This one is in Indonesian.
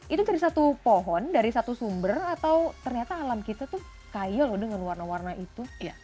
itu dari satu pohon dari satu sumber atau ternyata alam kita tuh kaya loh dengan warna warna itu